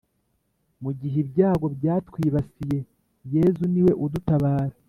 Mugihe ibyago byatwibasiye yezu niwe udutabara